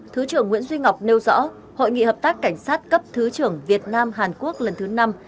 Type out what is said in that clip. thứ trưởng nguyễn duy ngọc nêu rõ hội nghị hợp tác cảnh sát cấp thứ trưởng việt nam hàn quốc lần thứ năm